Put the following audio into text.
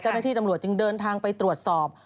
เจ้าหน้าที่ตำรวจจึงเดินทางไปตรวจสอบ